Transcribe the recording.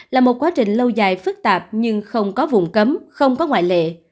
là một quá trình lâu dài phức tạp nhưng không có vùng cấm không có ngoại lệ